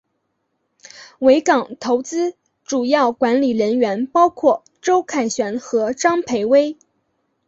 维港投资主要管理人员包括周凯旋和张培薇。